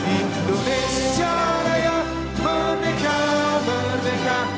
indonesia raya merdeka merdeka